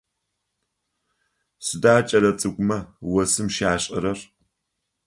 Сыда кӏэлэцӏыкӏумэ осым щашӏэрэр?